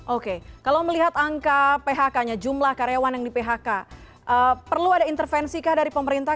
oke kalau melihat angka phk nya jumlah karyawan yang di phk perlu ada intervensi kah dari pemerintah